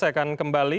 saya akan kembali